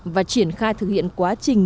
và triển khai thực hiện quá trình